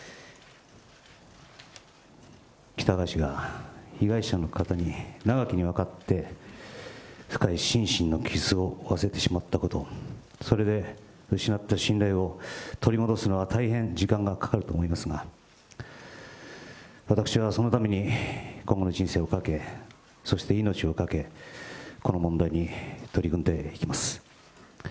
喜多川氏が被害者の方に長きにわたって深い心身の傷を負わせてしまったこと、それで失った信頼を取り戻すのは大変時間がかかると思いますが、私はそのために今後の人生をかけ、そして命をかけ、この問題に取り組んでいきます。